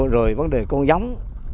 rồi vấn đề con giống